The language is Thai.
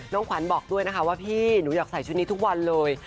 ขวัญบอกด้วยนะคะว่าพี่หนูอยากใส่ชุดนี้ทุกวันเลย